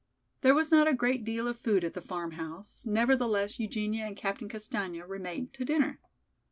There was not a great deal of food at the farmhouse, nevertheless Eugenia and Captain Castaigne remained to dinner.